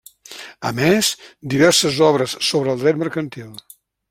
A més, diverses obres sobre dret mercantil.